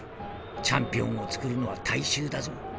チャンピオンをつくるのは大衆だぞ！』。